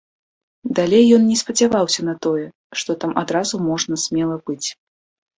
Далей ён не спадзяваўся на тое, што там адразу можна смела быць.